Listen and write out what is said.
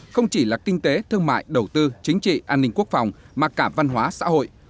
không chỉ là kinh tế thương mại đầu tư chính trị an ninh quốc phòng mà cả văn hóa xã hội